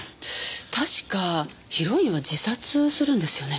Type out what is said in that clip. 確かヒロインは自殺するんですよね？